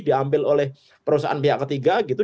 diambil oleh perusahaan pihak ketiga gitu